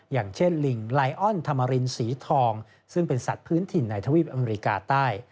อย่างเช่นลิงไลออนธรรมรินสีทองซึ่งเป็นสัตว์พื้นถิ่นในทวีปอเมริกาใต้